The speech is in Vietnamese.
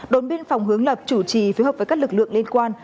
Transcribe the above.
đồn biên phòng hướng lập chủ trì phối hợp với các lực lượng liên quan